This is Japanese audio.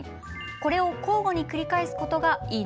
これを交互に繰り返すことがいい